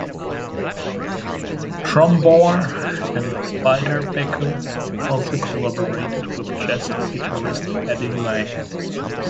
Trumbauer and Beiderbecke also collaborated with jazz guitarist Eddie Lang.